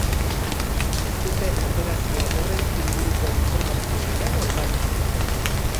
Ez dute operazio horren inguruko informazio gehiago eman.